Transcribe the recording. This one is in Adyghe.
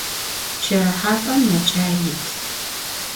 Pşerıhap'em meç'ai yit.